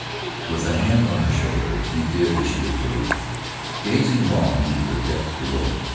With a hand on her shoulder, he did as she had told him, gazing long into the depths below.